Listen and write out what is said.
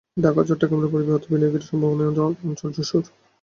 ঢাকা ও চট্টগ্রামের পরে বৃহত্তর বিনিয়োগের সম্ভাবনাময় অঞ্চল যশোর।